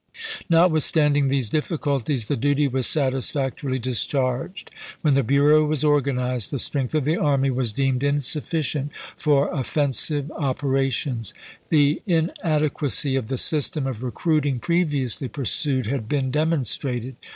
Notwithstanding these difficulties, the duty was satisfactorily discharged. When the bureau was organized the strength of the army was deemed insufficient for offensive operations. The inade quacy of the system of recruiting previously pur sued had been demonstrated.